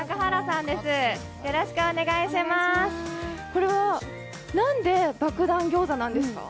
これはなんで爆弾餃子なんですか？